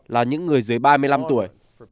là những người dưới ba mươi năm tuổi